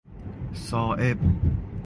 صائب